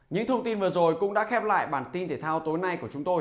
những thông tin vừa rồi cũng đã khép lại bản tin thể thao tối nay của chúng tôi